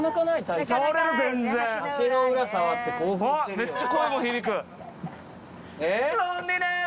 めっちゃ声も響く。